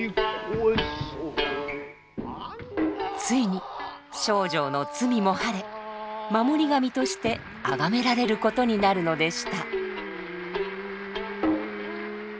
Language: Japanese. ついに丞相の罪も晴れ守り神として崇められることになるのでした。